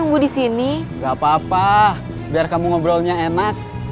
gak apa apa biar kamu ngobrolnya enak